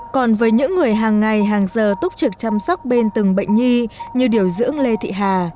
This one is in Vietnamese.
còn với những người hàng ngày hàng giờ túc trực chăm sóc bên từng bệnh nhi như điều dưỡng lê thị hà